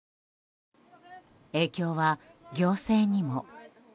影響は行政にも。